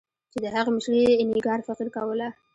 چې د هغې مشري اینیګار فقیر کوله.